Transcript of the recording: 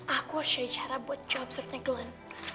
aku harus cari cara buat jawab sertai glenn